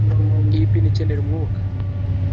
iyi pine ikenera umwuka